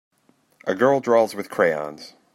A girl draws with crayons.